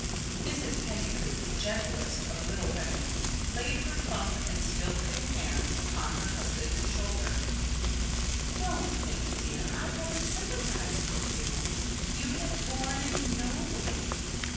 Mrs. Pennycoop, gentlest of little women, laid her plump and still pretty hands upon her husband's shoulders. "Don't think, dear, I haven't sympathized with you. You have borne it nobly.